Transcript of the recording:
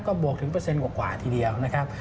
ก็บวกถึงเปอร์เซ็นต์กว่าทีเดียวนะครับ